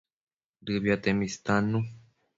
Dëbiatemi istannu